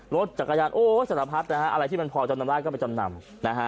รถจักรยานสารพัดอะไรที่มันพอจำนำได้ก็ไปจำนำ